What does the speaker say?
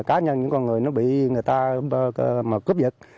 cá nhân những con người nó bị người ta cướp giật